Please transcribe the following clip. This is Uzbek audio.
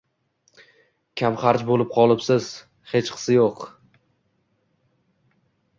Kamxarj bo‘lib qolibsiz. Hechqisi yo‘q.